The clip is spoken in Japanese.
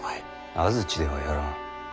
安土ではやらん。